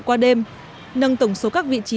qua đêm nâng tổng số các vị trí